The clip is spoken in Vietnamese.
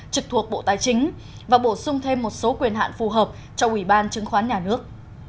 trực thuộc bộ tài chính và bổ sung thêm một số quyền hạn phù hợp cho ủy ban chứng khoán nhà nước